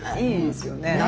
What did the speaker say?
いいですよね。